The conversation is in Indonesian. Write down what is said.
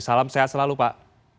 salam sehat selalu pak